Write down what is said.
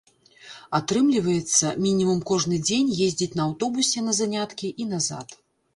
Атрымліваецца, мінімум кожны дзень ездзіць на аўтобусе на заняткі і назад.